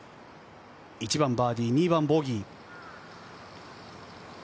１番バーディー、２番ボギー。